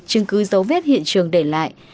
chứng cứ dấu vết hiện trường để lại